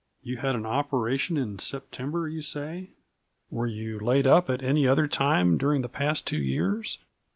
"You had an operation in September, you say. Were you laid up at any other time during the past two years?"